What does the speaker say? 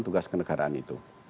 tugas kenegaraan itu